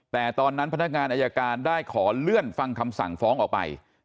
แต่ตอนนั้นพนักงานอายการได้ขอเลื่อนฟังคำสั่งฟ้องออกไป